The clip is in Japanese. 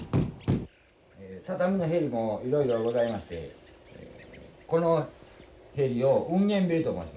畳の縁もいろいろございましてこの縁を繧縁と申します。